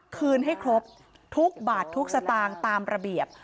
คืนให้ครบทุกบาททุกสตางค์ตามระเบียบ